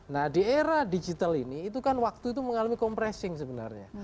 nah di era digital ini itu kan waktu itu mengalami compressing sebenarnya